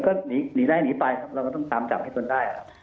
ก็หนีได้หนีไปครับเราก็ต้องตามจับให้จนได้ครับ